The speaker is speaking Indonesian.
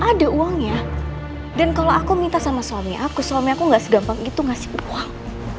ada uangnya dan kalau aku minta sama suami aku suami aku nggak segampang itu ngasih uang